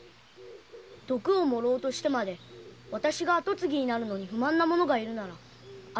毒を盛ろうとしてまで私が跡継ぎになるのに不満な者がいるなら私はならなくてもよい。